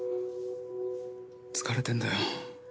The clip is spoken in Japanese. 疲れてんだよ。